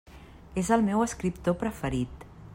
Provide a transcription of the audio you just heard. És el meu escriptor preferit.